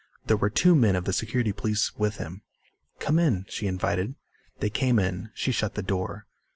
There were two men of the Security Police with him. "Come in," she invited. They came in. She shut the door.